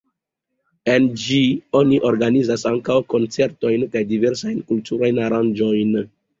En ĝi oni organizas ankaŭ koncertojn kaj diversajn kulturajn aranĝojn.